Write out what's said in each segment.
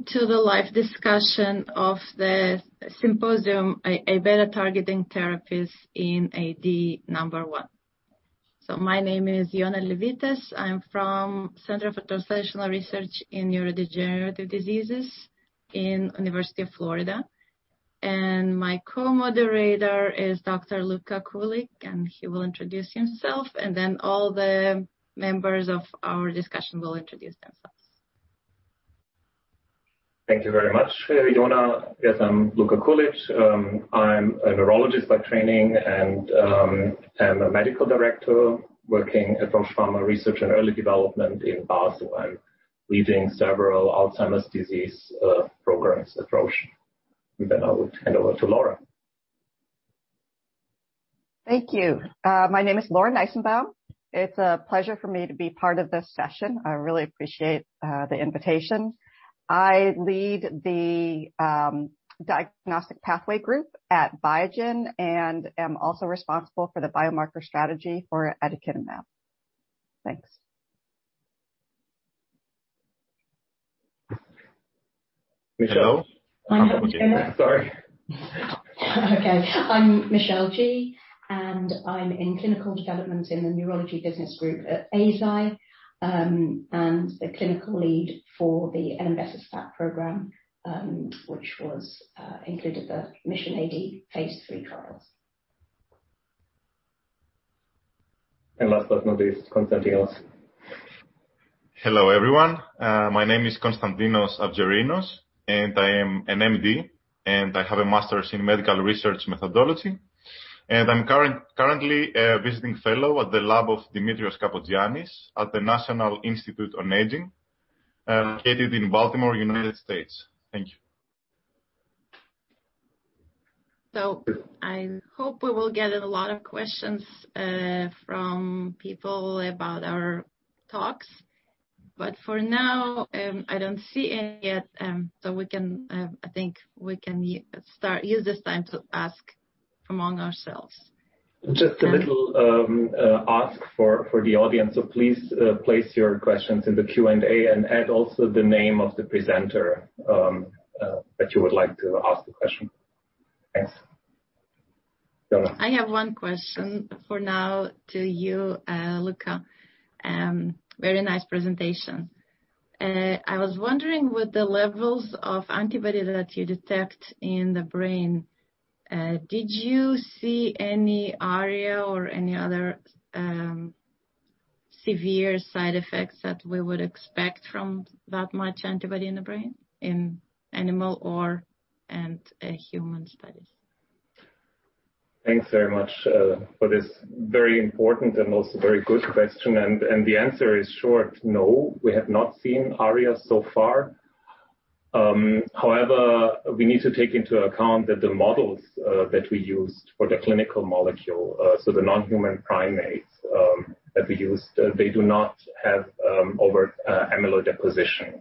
Welcome to the live discussion of the symposium, A-beta Targeting Therapies in AD number one. My name is Yona Levites. I'm from Center for Translational Research in Neurodegenerative Disease in University of Florida. And my co-moderator is Dr. Luka Kulic, and he will introduce himself, and then all the members of our discussion will introduce themselves. Thank you very much, Yona. Yes, I'm Luka Kulic. I'm a neurologist by training and I'm a medical director working at Roche Pharma Research and Early Development in Basel. I'm leading several Alzheimer's disease programs at Roche. I would hand over to Laura. Thank you. My name is Laura Nisenbaum. It's a pleasure for me to be part of this session. I really appreciate the invitation. I lead the Diagnostic Pathway Group at Biogen and am also responsible for the biomarker strategy for aducanumab. Thanks. Michelle? I'm- Sorry. Okay. I'm Michelle Gee, and I'm in clinical development in the neurology business group at Eisai, and the clinical lead for the elenbecestat program, which was included the MISSION AD phase III trials. Last but not least, Konstantinos. Hello, everyone. My name is Konstantinos Avgerinos, I am an MD, and I have a master's in medical research methodology. I'm currently a visiting fellow at the lab of Dimitrios Kapogiannis at the National Institute on Aging, located in Baltimore, U.S. Thank you. I hope we will get in a lot of questions from people about our talks. For now, I don't see any yet. I think we can use this time to ask among ourselves. Just a little ask for the audience. Please, place your questions in the Q&A and add also the name of the presenter that you would like to ask the question. Thanks. Yona. I have one question for now to you, Luka. Very nice presentation. I was wondering, with the levels of antibody that you detect in the brain, did you see any ARIA or any other severe side effects that we would expect from that much antibody in the brain, in animal and human studies? Thanks very much for this very important and also very good question. The answer is short, no, we have not seen ARIA so far. However, we need to take into account that the models that we used for the clinical molecule, so the non-human primates that we used, they do not have overt amyloid deposition,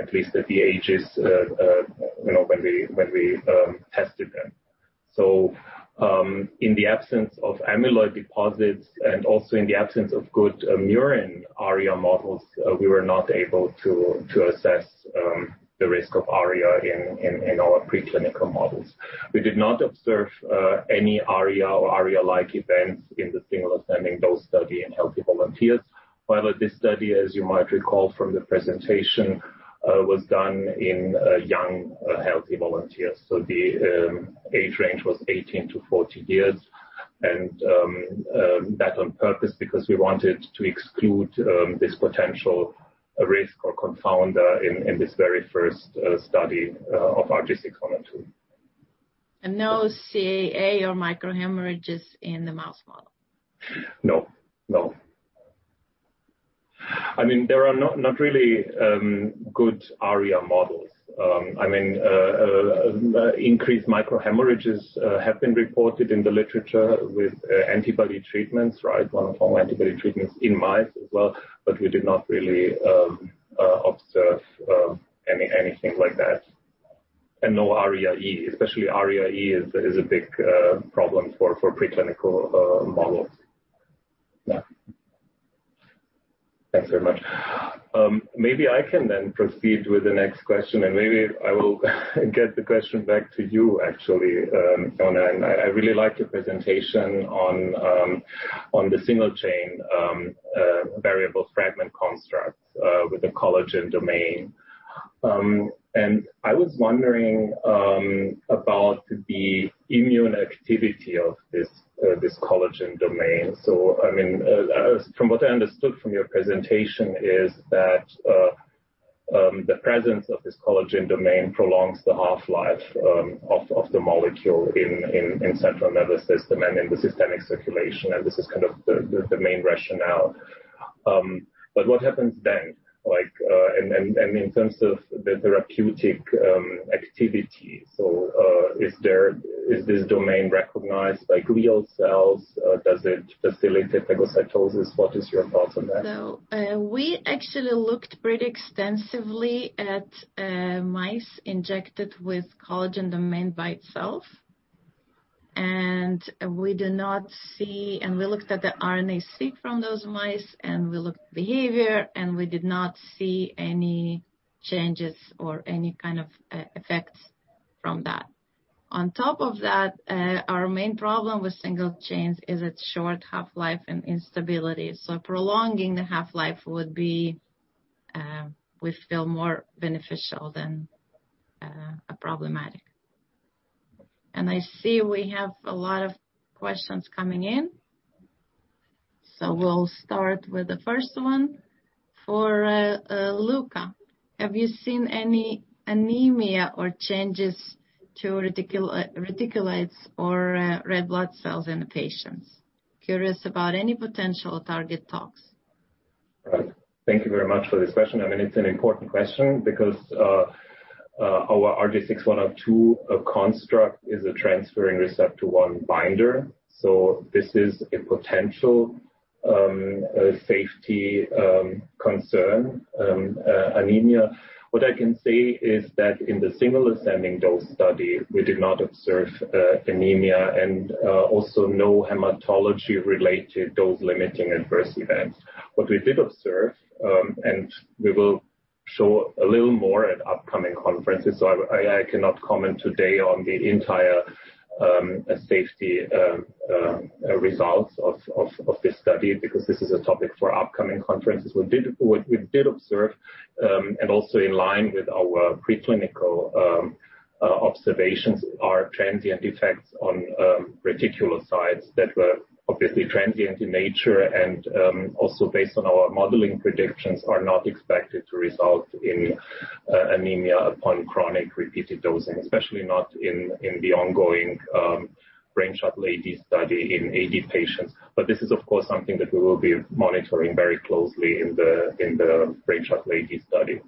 at least at the ages when we tested them. In the absence of amyloid deposits and also in the absence of good murine ARIA models, we were not able to assess the risk of ARIA in our preclinical models. We did not observe any ARIA or ARIA-like events in the single ascending dose study in healthy volunteers. However, this study, as you might recall from the presentation, was done in young healthy volunteers. The age range was 18 years-40 years. That on purpose because we wanted to exclude this potential risk or confounder in this very first study of RG6102. No CAA or microhemorrhages in the mouse model? No. There are not really good ARIA models. Increased microhemorrhages have been reported in the literature with antibody treatments, right, monoclonal antibody treatments in mice as well, but we did not really observe anything like that. No ARIA-E, especially ARIA-E is a big problem for preclinical models. No. Thanks very much. Maybe I can then proceed with the next question, and maybe I will get the question back to you, actually, Yona. I really liked your presentation on the single-chain variable fragment construct with the collagen domain. I was wondering about the immune activity of this collagen domain. From what I understood from your presentation is that the presence of this collagen domain prolongs the half-life of the molecule in central nervous system and in the systemic circulation, and this is kind of the main rationale. What happens then? In terms of the therapeutic activity. Is this domain recognized by glial cells? Does it facilitate phagocytosis? What is your thoughts on that? We actually looked pretty extensively at mice injected with collagen domain by itself. And we looked at the RNA-Seq from those mice, and we looked at behavior, and we did not see any changes or any kind of effects from that. On top of that, our main problem with single chains is its short half-life and instability. Prolonging the half-life would be, we feel, more beneficial than problematic. I see we have a lot of questions coming in. We'll start with the first one for Luka. Have you seen any anemia or changes to reticulocytes or red blood cells in the patients? Curious about any potential target tox. Right. Thank you very much for this question. It's an important question because our RG6102 construct is a transferrin receptor 1 binder, so this is a potential safety concern, anemia. What I can say is that in the single ascending dose study, we did not observe anemia and also no hematology-related dose-limiting adverse events. What we did observe, and we will show a little more at upcoming conferences, so I cannot comment today on the entire safety results of this study because this is a topic for upcoming conferences. What we did observe, and also in line with our preclinical observations, are transient effects on reticulocytes that were obviously transient in nature, and also based on our modeling predictions, are not expected to result in anemia upon chronic repeated dosing, especially not in the ongoing Brainshuttle AD study in AD patients. This is, of course, something that we will be monitoring very closely in the Brainshuttle AD study.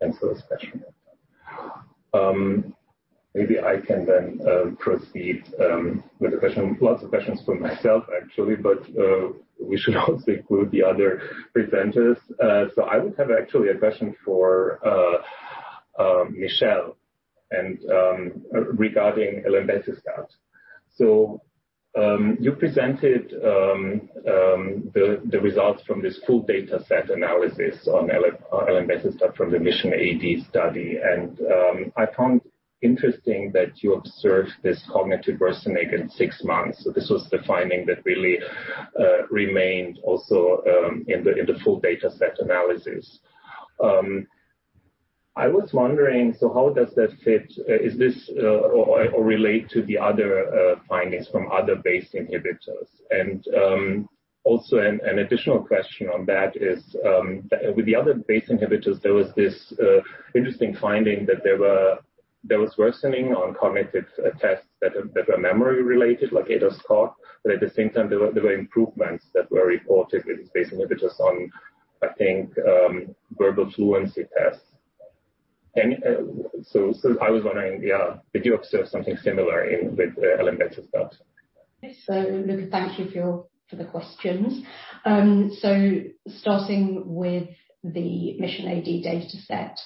Thanks for this question. Maybe I can proceed with lots of questions from myself, actually, but we should also include the other presenters. I would have actually a question for Michelle regarding elenbecestat. You presented the results from this full dataset analysis on elenbecestat from the MISSION AD study, I found interesting that you observed this cognitive worsening in six months. This was the finding that really remained also in the full dataset analysis. I was wondering, so how does that fit or relate to the other findings from other BACE inhibitors? Also an additional question on that is, with the other BACE inhibitors, there was this interesting finding that there was worsening on cognitive tests that were memory-related, like ADAS-Cog, but at the same time, there were improvements that were reported with BACE inhibitors on, I think, verbal fluency tests. I was wondering, did you observe something similar with elenbecestat? Luka, thank you for the questions. Starting with the MISSION AD dataset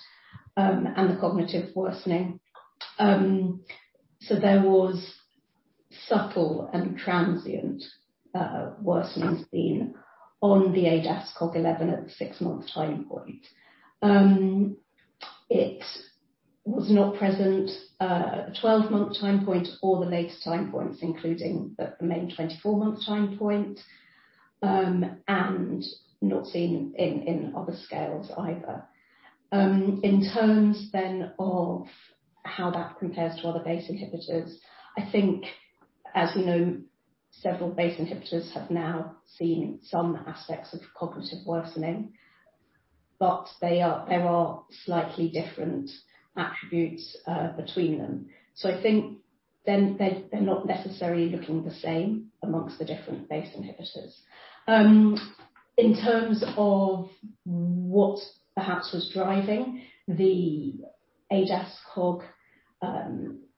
and the cognitive worsening. There was subtle and transient worsening seen on the ADAS-Cog 11 at the six-month time point. It was not present at the 12-month time point or the later time points, including the main 24-month time point, and not seen in other scales either. In terms of how that compares to other BACE inhibitors, I think, as we know, several BACE inhibitors have now seen some aspects of cognitive worsening, but there are slightly different attributes between them. I think they're not necessarily looking the same amongst the different BACE inhibitors. In terms of what perhaps was driving the ADAS-Cog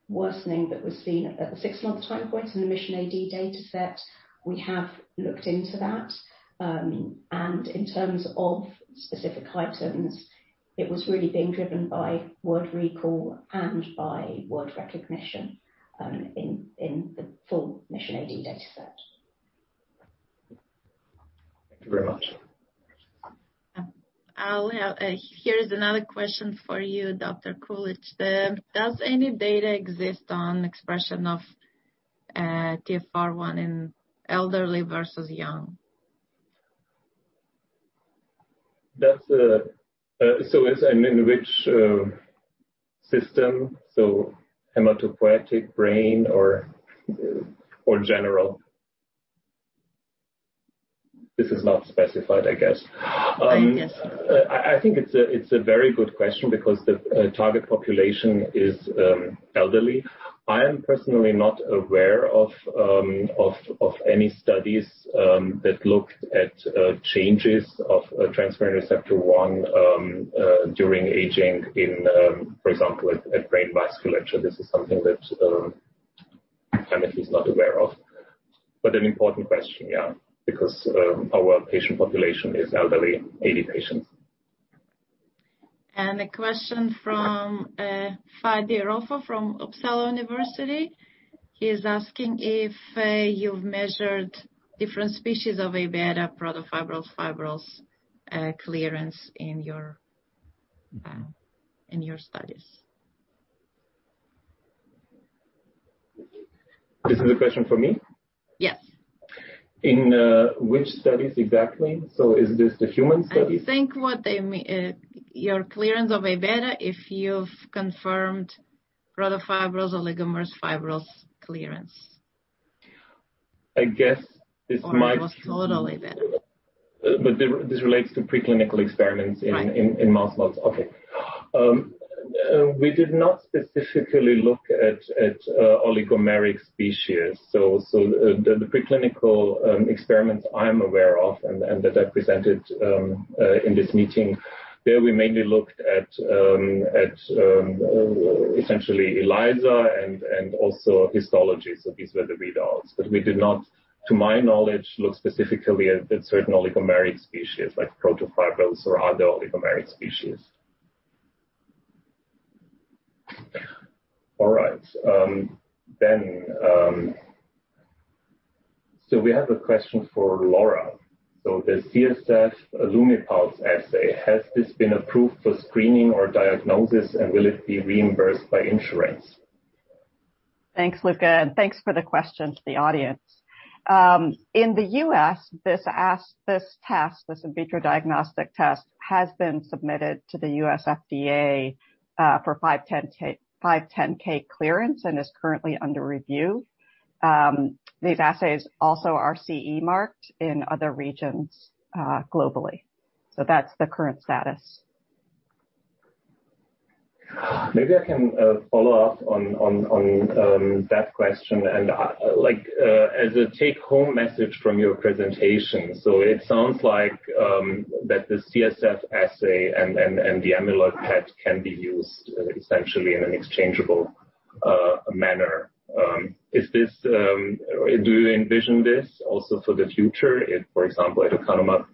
worsening that was seen at the six-month time point in the MISSION AD dataset, we have looked into that. In terms of specific items, it was really being driven by word recall and by word recognition in the full MISSION AD dataset. Thank you very much. Here's another question for you, Dr Kulic. Does any data exist on expression of TFR1 in elderly versus young? In which system? Hematopoietic, brain, or general? This is not specified, I guess. I guess so. I think it's a very good question because the target population is elderly. I am personally not aware of any studies that looked at changes of transferrin receptor 1 during aging in, for example, at brain vasculature. This is something that I'm not aware of. An important question, yeah, because our patient population is elderly, AD patients. A question from Fadi Rofo of Uppsala University. He is asking if you've measured different species of A-beta protofibrils, fibrils clearance in your studies. This is a question for me? Yes. In which studies exactly? Is this the human studies? I think what they mean, your clearance of A-beta, if you've confirmed protofibrils, oligomers fibrils clearance. I guess this might- Almost all A-beta. This relates to preclinical experiments. Right. in mouse models. Okay. We did not specifically look at oligomeric species. The preclinical experiments I'm aware of and that I presented in this meeting, there we mainly looked at essentially ELISA and also histology. These were the readouts. We did not, to my knowledge, look specifically at certain oligomeric species like protofibrils or other oligomeric species. All right. We have a question for Laura. The CSF Lumipulse assay, has this been approved for screening or diagnosis, and will it be reimbursed by insurance? Thanks, Luka, and thanks for the question to the audience. In the U.S., this in vitro diagnostic test has been submitted to the U.S. FDA for 510 clearance and is currently under review. These assays also are CE marked in other regions globally. That's the current status. Maybe I can follow up on that question and as a take-home message from your presentation. It sounds like that the CSF assay and the amyloid PET can be used essentially in an exchangeable manner. Do you envision this also for the future if, for example, aducanumab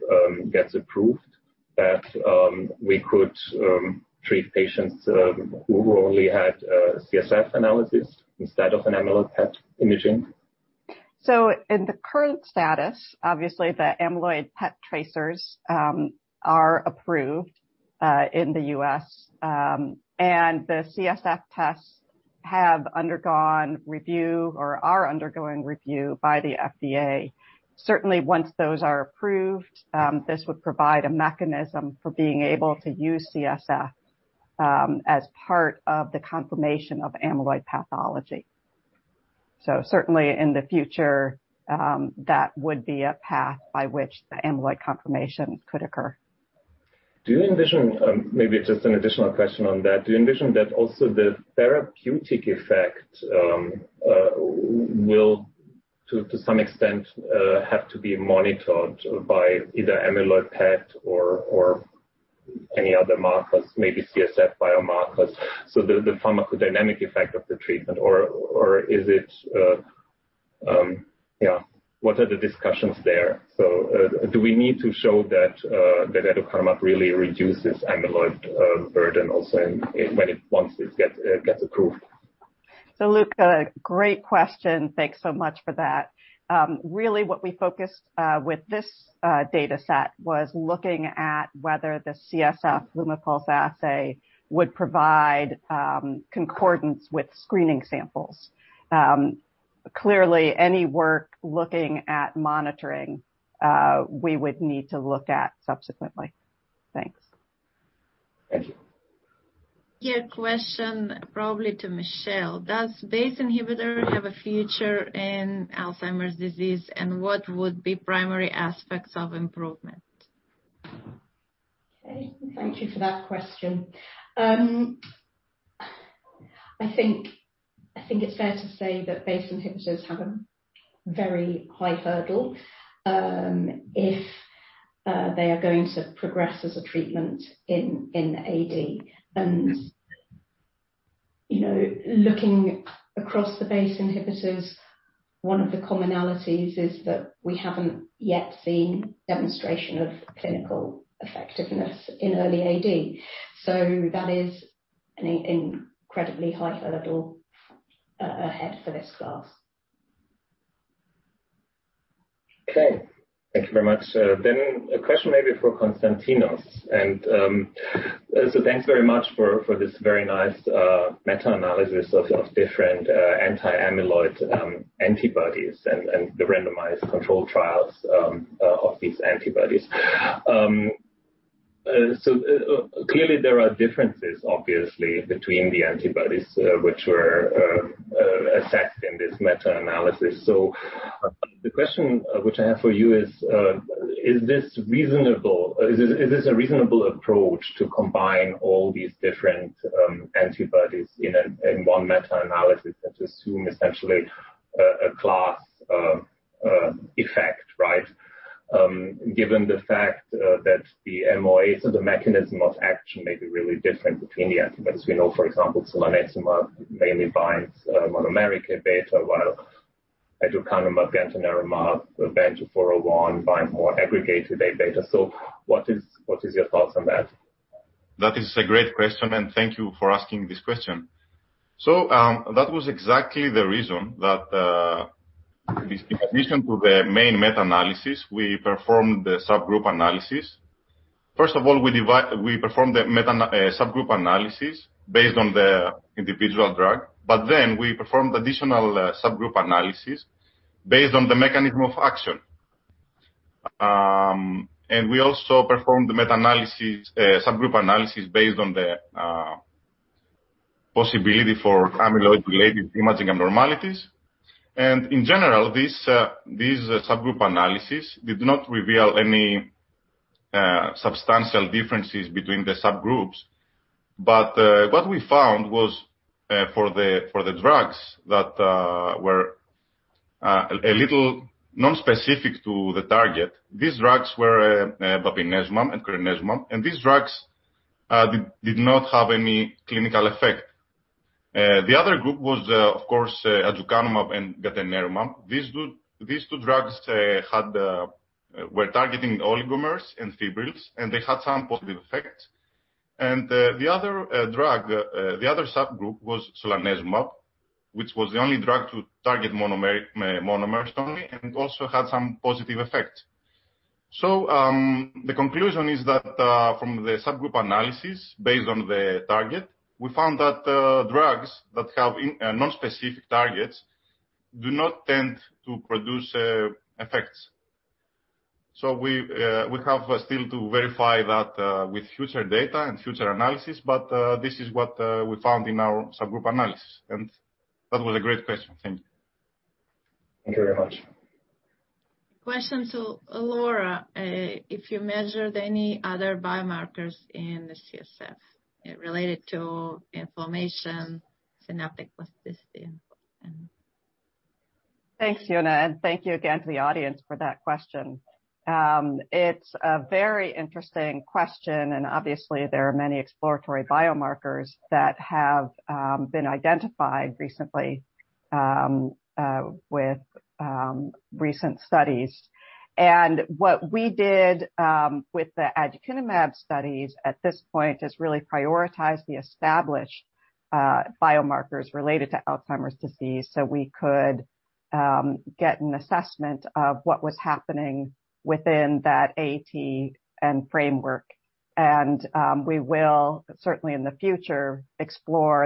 gets approved, that we could treat patients who only had CSF analysis instead of an amyloid PET imaging? In the current status, obviously the amyloid PET tracers are approved in the U.S., and the CSF tests have undergone review or are undergoing review by the FDA. Certainly once those are approved, this would provide a mechanism for being able to use CSF as part of the confirmation of amyloid pathology. Certainly in the future, that would be a path by which the amyloid confirmation could occur. Maybe just an additional question on that. Do you envision that also the therapeutic effect will, to some extent, have to be monitored by either amyloid PET or any other markers, maybe CSF biomarkers? The pharmacodynamic effect of the treatment or what are the discussions there? Do we need to show that aducanumab really reduces amyloid burden also once it gets approved? Luka, great question. Thanks so much for that. Really what we focused with this data set was looking at whether the CSF Lumipulse assay would provide concordance with screening samples. Clearly, any work looking at monitoring, we would need to look at subsequently. Thanks. Thank you. Here a question probably to Michelle. Does BACE inhibitor have a future in Alzheimer's disease, and what would be primary aspects of improvement? Okay. Thank you for that question. I think it's fair to say that BACE inhibitors have a very high hurdle if they are going to progress as a treatment in AD. Looking across the BACE inhibitors, one of the commonalities is that we haven't yet seen demonstration of clinical effectiveness in early AD. That is an incredibly high hurdle ahead for this class. Okay. Thank you very much. A question maybe for Konstantinos. Thanks very much for this very nice meta-analysis of different anti-amyloid antibodies and the randomized control trials of these antibodies. Clearly there are differences, obviously, between the antibodies which were assessed in this meta-analysis. The question which I have for you is this a reasonable approach to combine all these different antibodies in one meta-analysis and assume essentially a class effect, right? Given the fact that the MOA, so the mechanism of action, may be really different between the antibodies. We know, for example, solanezumab mainly binds monomeric beta, while aducanumab, gantenerumab, BAN2401, bind more, aggregated A-beta. What is your thoughts on that? That is a great question, and thank you for asking this question. That was exactly the reason that, in addition to the main meta-analysis, we performed the subgroup analysis. First of all, we performed the subgroup analysis based on the individual drug. Then we performed additional subgroup analysis based on the mechanism of action. We also performed the subgroup analysis based on the possibility for Amyloid-Related Imaging Abnormalities. In general, this subgroup analysis did not reveal any substantial differences between the subgroups. What we found was for the drugs that were a little non-specific to the target, these drugs were bapineuzumab and crenezumab, and these drugs did not have any clinical effect. The other group was, of course, aducanumab and gantenerumab. These two drugs were targeting oligomers and fibrils, and they had some positive effect. The other subgroup was solanezumab, which was the only drug to target monomers only and also had some positive effect. The conclusion is that from the subgroup analysis, based on the target, we found that drugs that have non-specific targets do not tend to produce effects. We have still to verify that with future data and future analysis, but this is what we found in our subgroup analysis. That was a great question. Thank you. Thank you very much. Question to Laura, if you measured any other biomarkers in the CSF related to inflammation, synaptic plasticity, and. Thanks, Yona. Thank you again to the audience for that question. It's a very interesting question. Obviously, there are many exploratory biomarkers that have been identified recently with recent studies. What we did with the aducanumab studies at this point is really prioritize the established biomarkers related to Alzheimer's disease so we could get an assessment of what was happening within that ATN framework. We will certainly in the future explore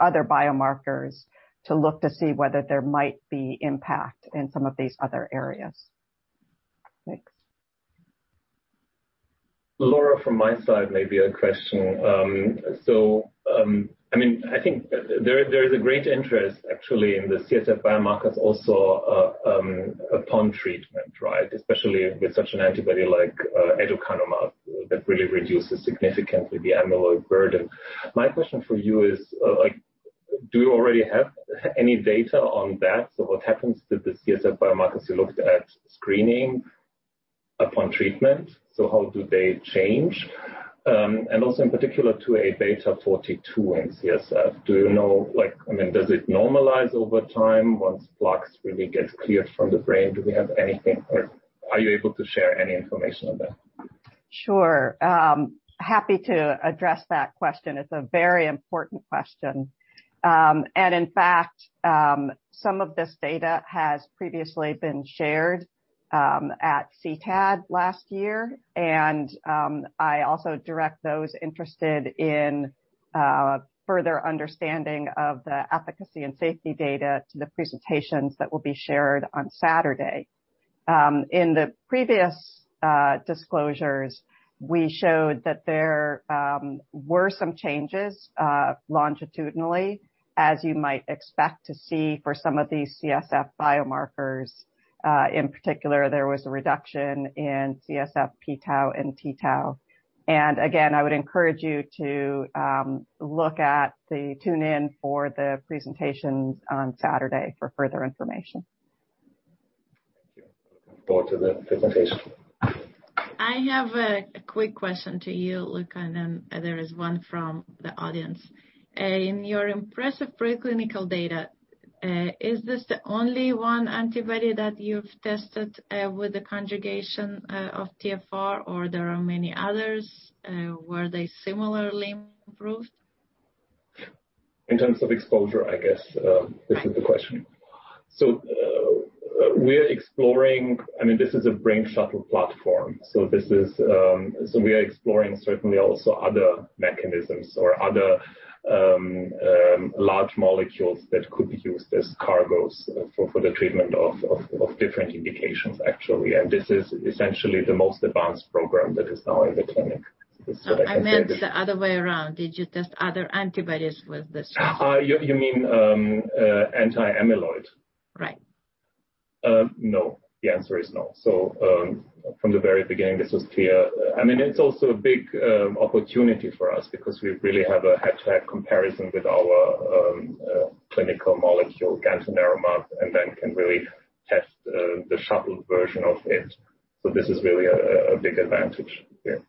other biomarkers to look to see whether there might be impact in some of these other areas. Thanks. Laura, from my side, maybe a question. I think there is a great interest actually in the CSF biomarkers also upon treatment, right? Especially with such an antibody like aducanumab that really reduces significantly the amyloid burden. My question for you is, do you already have any data on that? What happens to the CSF biomarkers? You looked at screening upon treatment, so how do they change? Also, in particular to A-beta 42 in CSF. Does it normalize over time once plaques really get cleared from the brain? Do we have anything or are you able to share any information on that? Sure. Happy to address that question. It's a very important question. In fact, some of this data has previously been shared at CTAD last year, and I also direct those interested in further understanding of the efficacy and safety data to the presentations that will be shared on Saturday. In the previous disclosures, we showed that there were some changes longitudinally, as you might expect to see for some of these CSF biomarkers. In particular, there was a reduction in CSF p-tau and t-tau. Again, I would encourage you to tune in for the presentations on Saturday for further information. Thank you. Looking forward to the presentation. I have a quick question to you, Luka, and then there is one from the audience. In your impressive preclinical data, is this the only one antibody that you've tested with the conjugation of TFR or there are many others? Were they similarly improved? In terms of exposure, I guess this is the question. We are exploring, this is a Brain Shuttle platform. We are exploring certainly also other mechanisms or other large molecules that could be used as cargos for the treatment of different indications, actually. This is essentially the most advanced program that is now in the clinic. I meant the other way around. Did you test other antibodies with the shuttle? You mean, anti-amyloid? Right. No. The answer is no. From the very beginning, this was clear. It's also a big opportunity for us because we really have a head-to-head comparison with our clinical molecule, gantenerumab, and then can really test the shuttle version of it. This is really a big advantage here.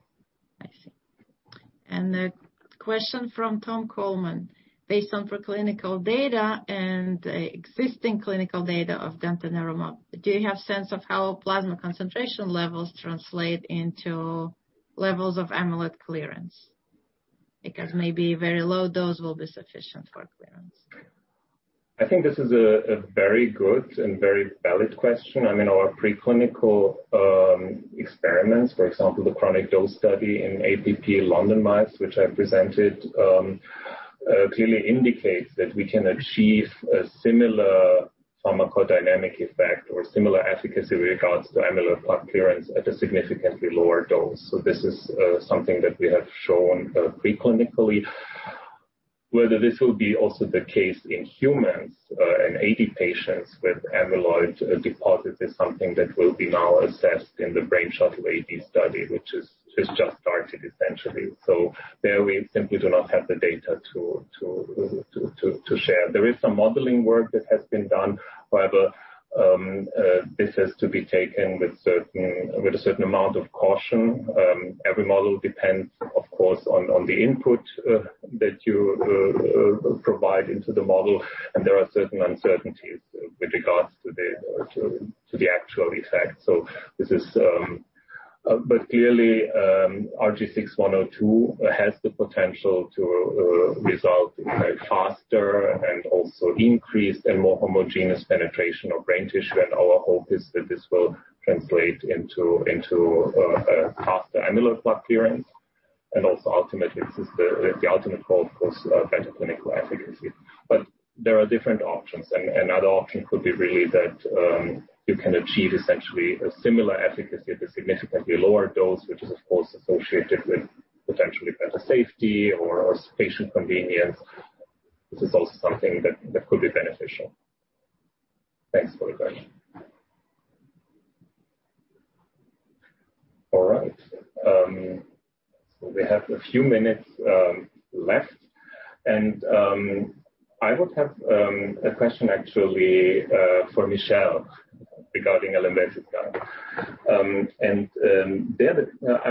A question from Tom Coleman. Based on preclinical data and existing clinical data of donanemab, do you have sense of how plasma concentration levels translate into levels of amyloid clearance? Maybe very low dose will be sufficient for clearance. I think this is a very good and very valid question. In our preclinical experiments, for example, the chronic dose study in APP London mice, which I presented, clearly indicates that we can achieve a similar pharmacodynamic effect or similar efficacy with regards to amyloid plaque clearance at a significantly lower dose. This is something that we have shown preclinically. Whether this will be also the case in humans, in AD patients with amyloid deposits, is something that will be now assessed in the Brainshuttle AD study, which has just started essentially. There we simply do not have the data to share. There is some modeling work that has been done. However, this has to be taken with a certain amount of caution. Every model depends, of course, on the input that you provide into the model, and there are certain uncertainties with regards to the actual effect. Clearly, RG6102 has the potential to result in a faster and also increased and more homogeneous penetration of brain tissue. Our hope is that this will translate into a faster amyloid plaque clearance and also ultimately, the ultimate goal, of course, better clinical efficacy. There are different options, and another option could be really that you can achieve essentially a similar efficacy at a significantly lower dose, which is, of course, associated with potentially better safety or patient convenience. This is also something that could be beneficial. Thanks for the question. All right. We have a few minutes left. I would have a question actually for Michelle regarding elenbecestat.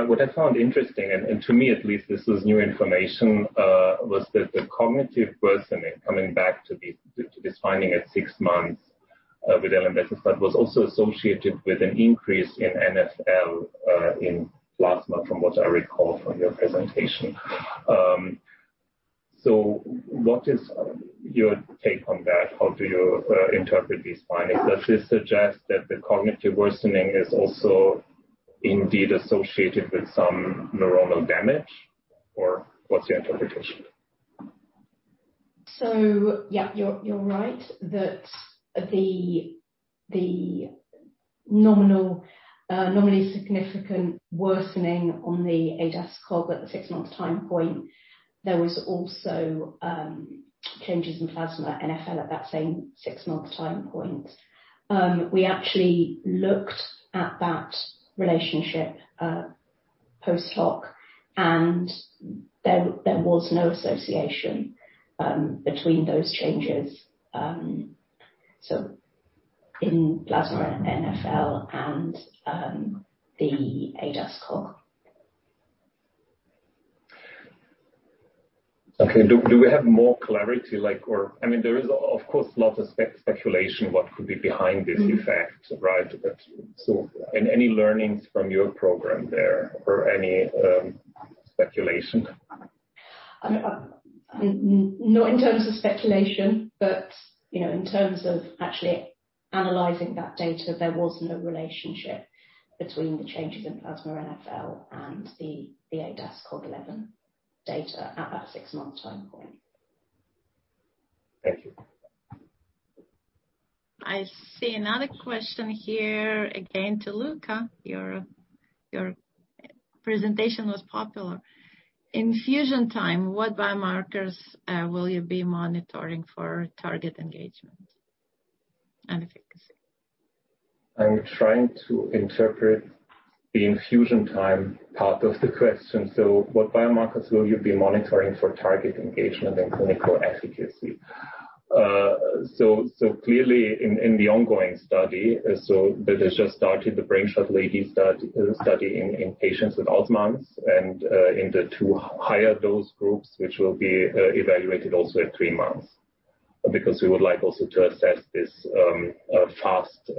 What I found interesting, and to me at least this was new information, was that the cognitive worsening, coming back to this finding at six months with elenbecestat, was also associated with an increase in NfL in plasma, from what I recall from your presentation. What is your take on that? How do you interpret these findings? Does this suggest that the cognitive worsening is also indeed associated with some neuronal damage, or what's your interpretation? Yeah, you're right that the nominally significant worsening on the ADAS-Cog at the six-month time point, there was also changes in plasma NfL at that same six-month time point. We actually looked at that relationship post hoc, there was no association between those changes in plasma NfL and the ADAS-Cog. Okay. Do we have more clarity? There is, of course, lots of speculation what could be behind this effect, right? Any learnings from your program there or any speculation? Not in terms of speculation, but in terms of actually analyzing that data, there was no relationship between the changes in plasma NfL and the ADAS-Cog 11 data at that six-month time point. Thank you. I see another question here again to Luka. Your presentation was popular. Infusion time, what biomarkers will you be monitoring for target engagement and efficacy? I'm trying to interpret the infusion time part of the question. What biomarkers will you be monitoring for target engagement and clinical efficacy? Clearly in the ongoing study that has just started, the Brainshuttle AD study in patients at 12 months and in the two higher dose groups, which will be evaluated also at three months. We would like also to assess this fast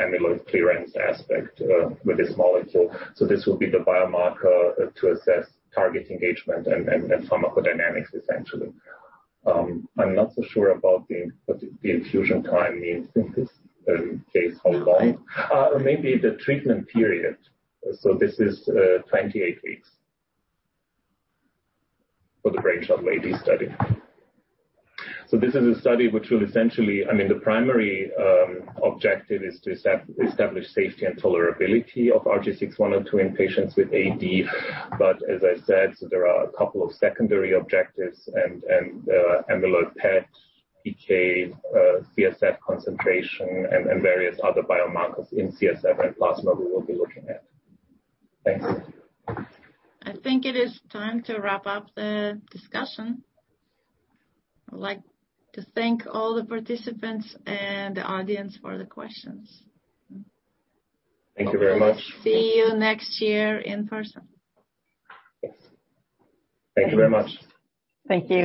amyloid clearance aspect with this molecule. This will be the biomarker to assess target engagement and pharmacodynamics, essentially. I'm not so sure about what the infusion time means in this case. How long? Maybe the treatment period. This is 28 weeks for the Brainshuttle AD study. This is a study which will essentially, the primary objective is to establish safety and tolerability of RG6102 in patients with AD. As I said, there are a couple of secondary objectives and amyloid PET, PK, CSF concentration, and various other biomarkers in CSF and plasma we will be looking at. Thanks. I think it is time to wrap up the discussion. I'd like to thank all the participants and the audience for the questions. Thank you very much. See you next year in person. Yes. Thank you very much. Thank you.